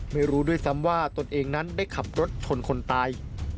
ไม่รู้ด้วยซ้ำว่าตนเองนั้นได้ขับรถชนคนตาย